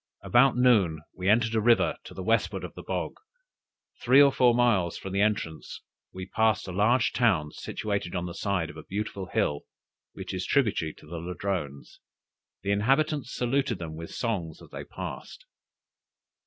About noon we entered a river to the westward of the Bogue. Three or four miles from the entrance we passed a large town situated on the side of a beautiful hill, which is tributary to the Ladrones; the inhabitants saluted them with songs as they passed."